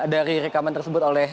dari rekaman tersebut